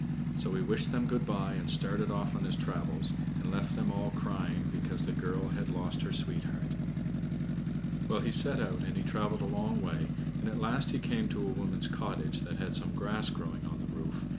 So he wished them good by and started off on his travels, and left them all crying because the girl had lost her sweetheart. Well, he set out, and he traveled a long way, and at last he came to a woman's cottage that had some grass growing on the roof.